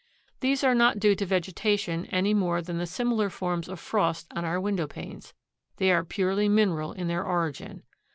These are not due to vegetation any more than the similar forms of frost on our window panes. They are purely mineral in their origin.